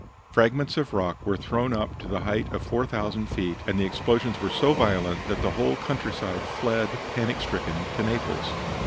Fragments of rock were thrown up to the height of 4,000 feet, and the explosions were so violent that the whole countryside fled panic stricken to Naples.